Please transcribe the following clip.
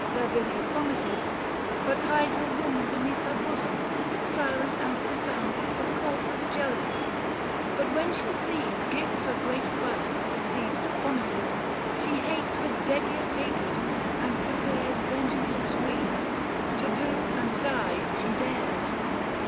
Lavinia promises, but hides a wound Beneath her bosom, silent and profound Of causeless jealousy ; but when she sees Gifts of great price succeed to promises, 685 She hates with deadliest hatred and prepares Vengeance extreme ; to do and die she dares.